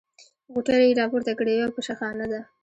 غوټې يې راپورته کړې: یوه پشه خانه ده.